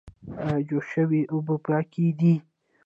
ایا جوش شوې اوبه پاکې دي؟